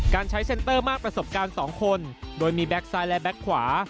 การใช้เซ็นเตอร์มากประสบการณ์๒คนโดยมีแก๊กซ้ายและแก๊กขวา